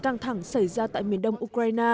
căng thẳng xảy ra tại miền đông ukraine